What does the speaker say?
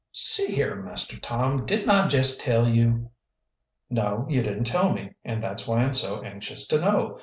"See here, Master Tom, didn't I jest tell you " "No, you didn't tell me, and that's why I'm so anxious to know.